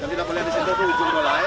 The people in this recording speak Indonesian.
yang tidak boleh disitu itu ujung dolai